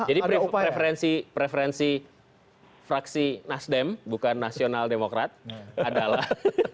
jadi preferensi fraksi nasdem bukan nasional demokrat adalah